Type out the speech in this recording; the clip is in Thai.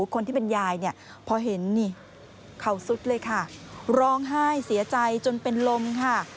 คนที่เป็นยายเนี่ยพอเห็นนี่เขาสุดเลยค่ะร้องไห้เสียใจจนเป็นลมค่ะ